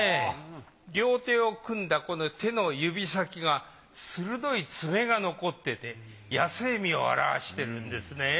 両手を組んだこの手の指先が鋭い爪が残ってて野性味を表してるんですね。